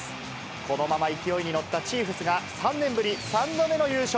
このまま勢いに乗ったチーフスが３年ぶり３度目の優勝。